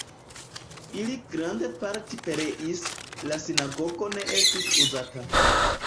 Ili grandparte pereis, la sinagogo ne estis uzata.